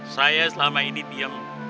saya selama ini diam